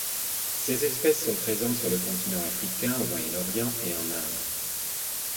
Ces espèces sont présentes sur le Continent africain, au Moyen-Orient et en Inde.